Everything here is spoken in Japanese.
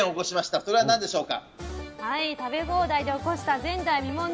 それは何でしょうか。